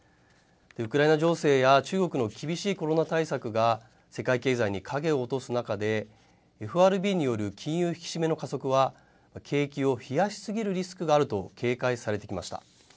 ウクライナ情勢や中国の厳しいコロナ対策が世界経済に影を落とす中で、ＦＲＢによる金融引き締めの加速は、景気を冷やし過ぎるリスクがあると警戒されてきました。